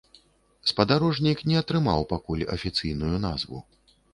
Спадарожнік не атрымаў пакуль афіцыйную назву.